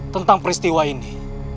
tentang peristiwa ini